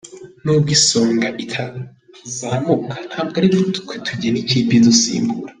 N’ubwo Isonga itazamuka ntabwo aritwe tugena ikipe idusimbura.